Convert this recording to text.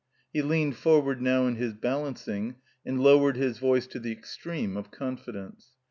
He leaned forward now in his balancing, and lowered his voice to the extreme of confidence.